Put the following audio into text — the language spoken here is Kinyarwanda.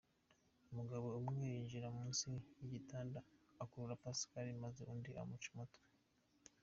Umugabo umwe yinjira munsi y’igitanda akurura Pascal maze undi amuca umutwe.